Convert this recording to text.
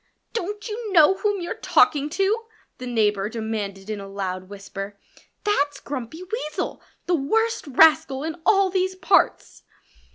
"Don't you know whom you're talking to?" the neighbor demanded in a loud whisper. "That's Grumpy Weasel the worst rascal in all these parts."